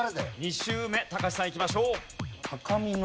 ２周目隆さんいきましょう。